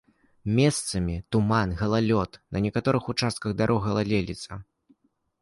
Месцамі туман, галалёд, на некаторых участках дарог галалёдзіца.